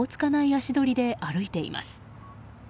足取りで歩いています。